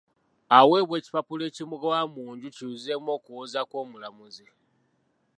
Aweebwa ekipapula ekimugoba mu nju kiyuzeemu okuwoza kwa mulamuzi.